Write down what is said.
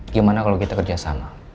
gimana kalau kita kerjasama